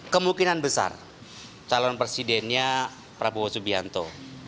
kemungkinan besar calon presidennya prabowo subianto